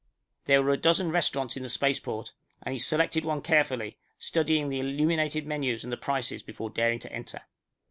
There were a dozen restaurants in the spaceport, and he selected one carefully, studying the illuminated menus and the prices before daring to enter.